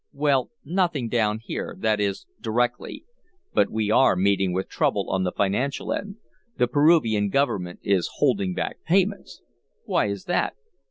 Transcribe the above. "Well, nothing down here that is, directly but we are meeting with trouble on the financial end. The Peruvian government is holding back payments." "Why is that?"